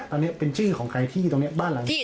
อันนี้เป็นชื่อของใครที่ตรงนี้บ้านหลังนี้